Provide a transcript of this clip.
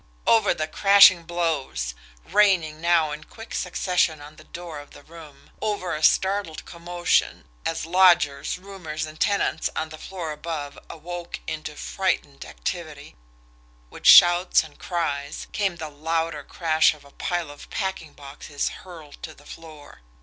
Over the crashing blows, raining now in quick succession on the door of the room, over a startled commotion as lodgers, roomers, and tenants on the floor above awoke into frightened activity with shouts and cries, came the louder crash of a pile of packing boxes hurled to the floor.